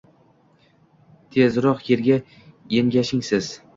Tezroq yerga engashing siz.